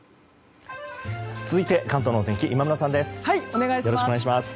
続いて関東のお天気今村さんです。